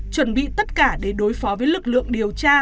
chuẩn bị tất cả để đối phó với lực lượng điều tra